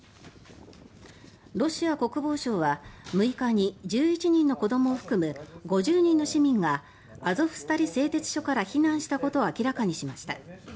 ロシア国防省は６日に１１人の子どもを含む５０人の市民がアゾフスタリ製鉄所から避難したことを明らかにしました。